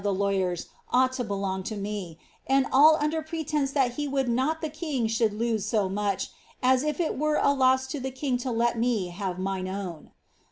tne lawyers ought to belong to noe, and all under pretence that he would not the king should lose so much, as if it were a loss to the king V> let me have mine own